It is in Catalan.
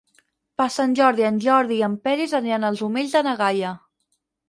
Per Sant Jordi en Jordi i en Peris aniran als Omells de na Gaia.